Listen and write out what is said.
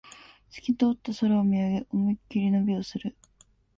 すき通った空を見上げ、思いっきり伸びをする